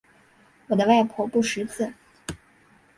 我的外婆不识字